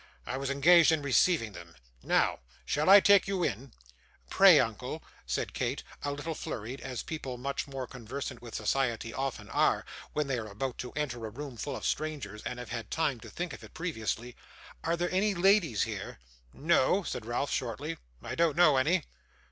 'I was engaged in receiving them. Now shall I take you in?' 'Pray, uncle,' said Kate, a little flurried, as people much more conversant with society often are, when they are about to enter a room full of strangers, and have had time to think of it previously, 'are there any ladies here?' 'No,' said Ralph, shortly, 'I don't know any.